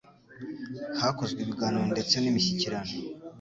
Hakozwe ibiganiro ndetse n'imishyikirano